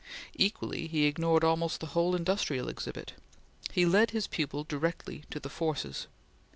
Equally, he ignored almost the whole industrial exhibit. He led his pupil directly to the forces.